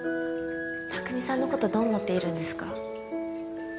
拓海さんのことどう思っているんですか？